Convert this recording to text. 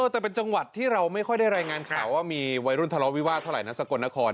แต่เป็นจังหวัดที่เราไม่ค่อยได้รายงานข่าวว่ามีวัยรุ่นทะเลาวิวาสเท่าไหร่นะสกลนคร